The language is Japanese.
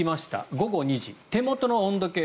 午後２時、手元の温度計